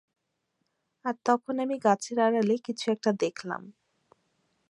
আর তখন আমি গাছের আড়ালে কিছু একটা দেখলাম।